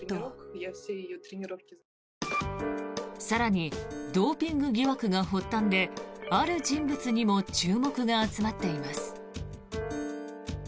更に、ドーピング疑惑が発端である人物にも注目が集まっています。